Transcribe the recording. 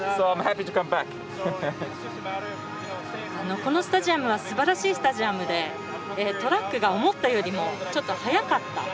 このスタジアムはすばらしいスタジアムでトラックが思ったよりも速かった。